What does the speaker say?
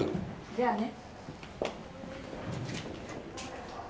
じゃあね。